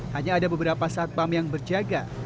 hanya ada beberapa satpam yang berjaga